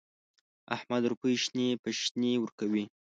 احمد روپۍ شنې په شنې ورکوي.